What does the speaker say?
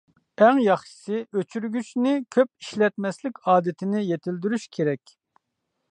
ئەڭ ياخشىسى ئۆچۈرگۈچنى كۆپ ئىشلەتمەسلىك ئادىتىنى يېتىلدۈرۈش كېرەك.